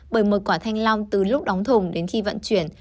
bởi một quả thanh long từ lúc đóng thùng đến khi vận chuyển